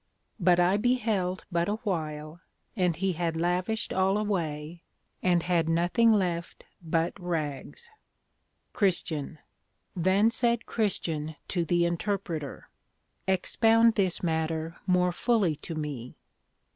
But I beheld but a while, and he had lavished all away, and had nothing left but Rags. CHR. Then said Christian to the Interpreter, Expound this matter more fully to me.